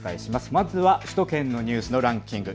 まずは首都圏のニュースのランキング。